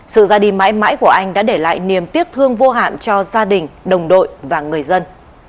sự ra đi mãi mãi của anh đã để lại niềm tiếc thương vô hạn cho gia đình đồng đội và người dân